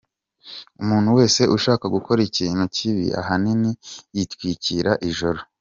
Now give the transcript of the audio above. Umuntu wese ushaka gukora ikintu kibi ahanini yitwikira ijoro.